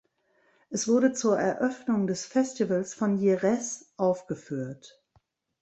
Es wurde zur Eröffnung des Festivals von Jerez aufgeführt.